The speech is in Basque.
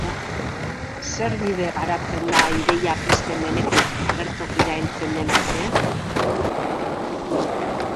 Zer bide garatzen da ideia pizten denetik agertokira heltzen den arte?